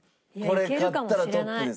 これ勝ったらトップです。